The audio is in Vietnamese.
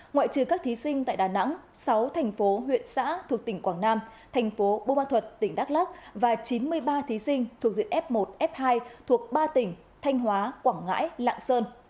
ngoại trừ các thí sinh tại đà nẵng sáu thành phố huyện xã thuộc tỉnh quảng nam thành phố bùa ma thuật tỉnh đắk lắc và chín mươi ba thí sinh thuộc diện f một f hai thuộc ba tỉnh thanh hóa quảng ngãi lạng sơn